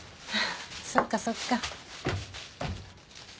そっかそっか。